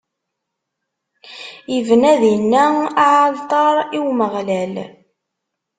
Ibna dinna aɛalṭar i Umeɣlal.